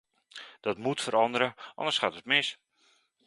Dat moet veranderen, anders gaat het mis.